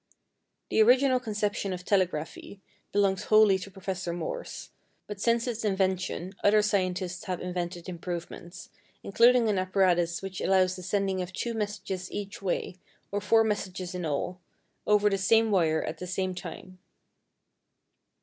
The original conception of telegraphy belongs wholly to Professor Morse, but since its invention other scientists have invented improvements, including an apparatus which allows the sending of two messages each way, or four messages in all, over the same wire at the same time.